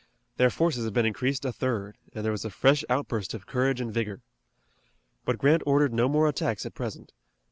Their forces had been increased a third, and there was a fresh outburst of courage and vigor. But Grant ordered no more attacks at present.